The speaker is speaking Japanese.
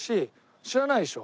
知らないでしょ？